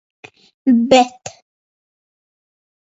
Bet.